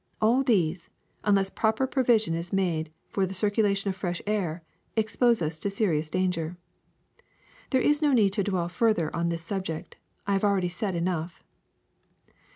All these, unless proper provi sion is made for the circulation of fresh air, expose us to serious danger. There is no need to dwell further on this subject; I have already said enough.